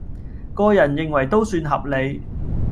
個人認為都算合理